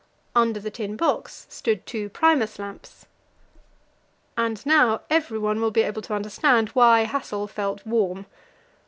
Under the tin box stood two Primus lamps, and now everyone will be able to understand why Hassel felt warm.